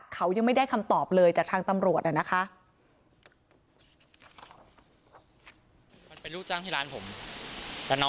เขายังไม่ได้คำตอบเลยจากทางตำรวจนะคะ